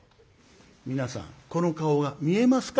皆さんこの顔が見えますか？